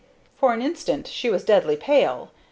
For an instant she was deadly pale.